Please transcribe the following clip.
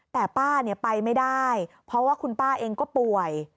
แต่ป้าไปไม่ได้เพราะว่าคุณป้าเองก็ป่วย